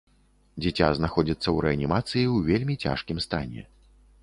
Дзіця знаходзіцца ў рэанімацыі ў вельмі цяжкім стане.